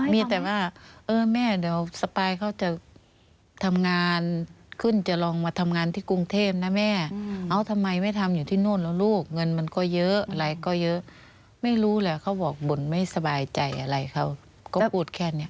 มีแต่ว่าเออแม่เดี๋ยวสปายเขาจะทำงานขึ้นจะลองมาทำงานที่กรุงเทพนะแม่เอาทำไมไม่ทำอยู่ที่นู่นแล้วลูกเงินมันก็เยอะอะไรก็เยอะไม่รู้แหละเขาบอกบ่นไม่สบายใจอะไรเขาก็พูดแค่นี้